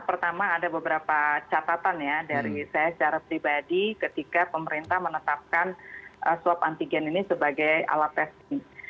pertama ada beberapa catatan ya dari saya secara pribadi ketika pemerintah menetapkan swab antigen ini sebagai alat testing